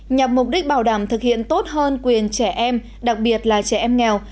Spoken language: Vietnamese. nhằm mục đích bảo đảm thực hiện tốt hơn quyền trẻ em đặc biệt là trẻ em nghèo